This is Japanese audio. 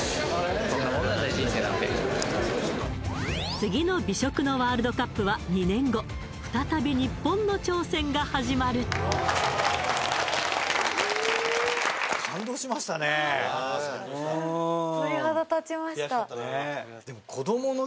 次の美食のワールドカップは２年後再び日本の挑戦が始まる優勝ですよ